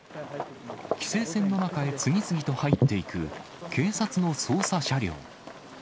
規制線の中へ次々と入っていく警察の捜査車両。